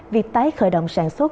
việc tái khởi động sản xuất